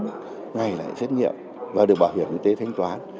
cứ một mươi bốn ngày lại xét nghiệm và được bảo hiểm y tế thanh toán